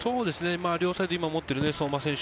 両サイド、今持ってる相馬選手。